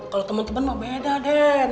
kalau temen temen mak beda den